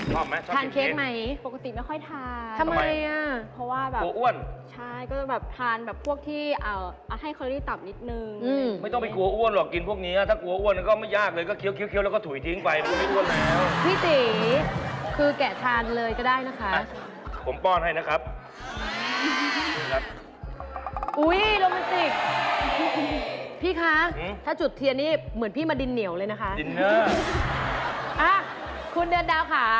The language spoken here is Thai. ชอบไหมชอบอีกเค้กอเรนนี่ชอบไหมชอบอีกเค้กอเรนนี่ชอบอีกเค้กอเรนนี่ชอบอีกเค้กอเรนนี่ชอบอีกเค้กอเรนนี่ชอบอีกเค้กอเรนนี่ชอบอีกเค้กอเรนนี่ชอบอีกเค้กอเรนนี่ชอบอีกเค้กอเรนนี่ชอบอีกเค้กอเรนนี่ชอบอีกเค้กอเรนนี่ชอบอีกเค้ก